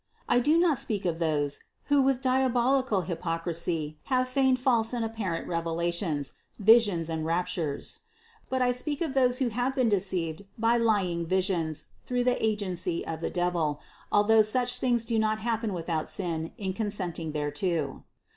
I do not speak of those who with diabolical hypocrisy have feigned false and apparent revelations, visions and raptures; but I speak of those who have been deceived by lying visions through the agency of the devil, although such things do not 480 CITY OF GOD happen without sin in consenting thereto.